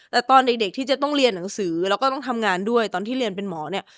แต่ตอนเด็กที่จะต้องเรียนหนังสือแล้วก็ต้องทำงานด้วยตอนที่เรียนเป็นหมอเนี่ย